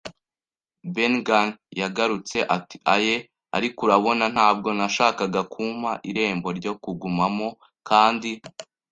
Ben Gunn yagarutse ati: “Aye, ariko urabona, ntabwo nashakaga kumpa irembo ryo kugumamo, kandi